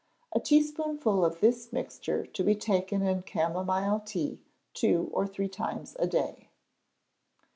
A teaspoonful of this mixture to be taken in camomile tea two or three times a day.